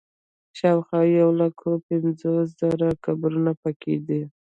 شاوخوا یو لک پنځوس زره قبرونه په کې دي.